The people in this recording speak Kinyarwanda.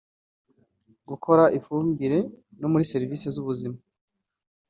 gukora ifumbire no muri servisi z’ubuzima